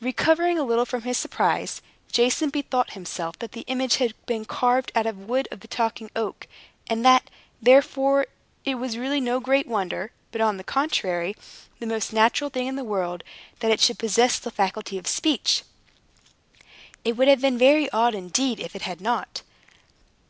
Recovering a little from his surprise, Jason bethought himself that the image had been carved out of the wood of the Talking Oak, and that, therefore, it was really no great wonder, but on the contrary, the most natural thing in the world, that it should possess the faculty of speech. It would have been very odd, indeed, if it had not.